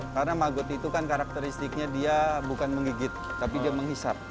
karena magot itu kan karakteristiknya dia bukan menggigit tapi dia menghisap